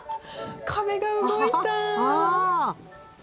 壁が動いた。